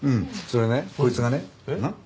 それねこいつがねなっ？